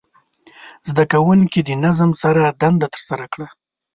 زده کوونکي د نظم سره دنده ترسره کړه.